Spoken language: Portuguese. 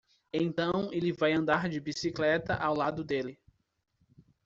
Então ele vai andar de bicicleta ao lado dele!